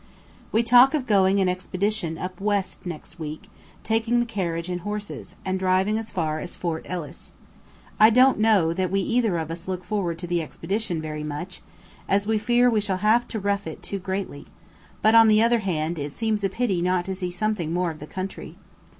We talk of going an expedition up west next week, taking the carriage and horses, and driving as far as Fort Ellice. I don't know that we either of us look forward to the expedition very much, as we fear we shall have to rough it too greatly; but, on the other hand, it seems a pity not to see something more of the country.